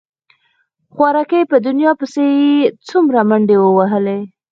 خواركى په دنيا پسې يې څومره منډې ووهلې.